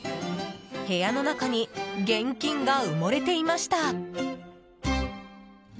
部屋の中に現金が埋もれていました。